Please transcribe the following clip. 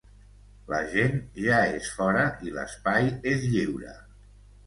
La gent ja és fora i l’espai és lliure.